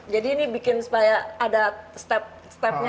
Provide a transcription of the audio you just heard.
jadi ini bikin supaya ada step stepnya